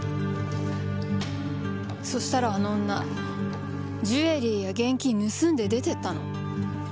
そしたらあの女ジュエリーや現金盗んで出てったの。